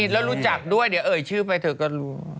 แล้วรู้จักด้วยเดี๋ยวเอ่ยชื่อไปเธอก็รู้